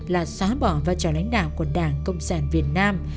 là xóa bỏ và trả lãnh đạo của đảng công sản việt nam